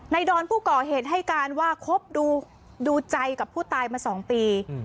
ดอนผู้ก่อเหตุให้การว่าคบดูใจกับผู้ตายมา๒ปี